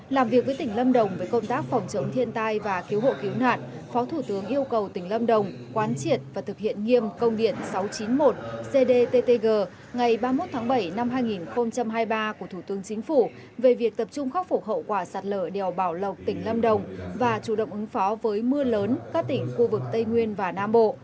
làm việc với tỉnh lâm đồng với công tác phòng chống thiên tai và cứu hộ cứu nạn phó thủ tướng yêu cầu tỉnh lâm đồng quán triệt và thực hiện nghiêm công điện sáu trăm chín mươi một cdttg ngày ba mươi một tháng bảy năm hai nghìn hai mươi ba của thủ tướng chính phủ về việc tập trung khóc phục hậu quả sạt lở đèo bảo lộc tỉnh lâm đồng và chủ động ứng phó với mưa lớn các tỉnh khu vực tây nguyên và nam bộ